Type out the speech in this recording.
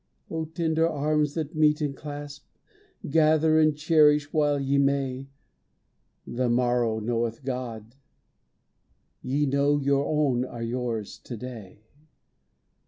O tender arms that meet and clasp! Gather and cherish while ye may. The morrow knoweth God. Ye know Your own are yours to day.